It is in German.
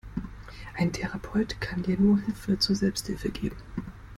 Ein Therapeut kann dir nur Hilfe zur Selbsthilfe geben.